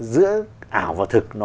giữa ảo và thực